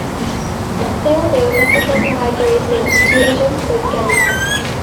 তেওঁৰ দেউতাকে তেওঁক সহায় কৰিছিল যি এজন বৈজ্ঞানিক।